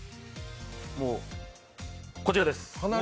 もうこちらです！